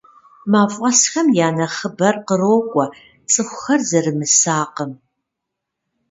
Мафӏэсхэм я нэхъыбэр кърокӏуэ цӏыхухэр зэрымысакъым.